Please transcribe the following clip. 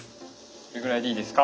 これぐらいでいいですか？